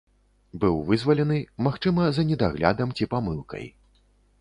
Быў вызвалены, магчыма, за недаглядам ці памылкай.